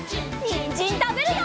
にんじんたべるよ！